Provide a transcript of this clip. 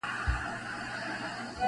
• بيا اختر به وي دفتحې -